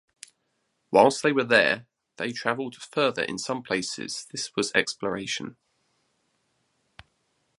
Whilst they were there they travelled further in some places this was exploration.